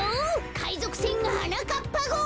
かいぞくせんはなかっぱごう！